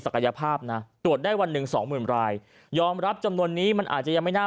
กายภาพนะตรวจได้วันหนึ่งสองหมื่นรายยอมรับจำนวนนี้มันอาจจะยังไม่น่า